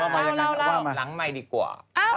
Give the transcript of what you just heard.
ปุ๊บไว้รางไมค์ดีกว่า